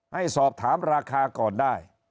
ให้สอบถามราคาก่อนได้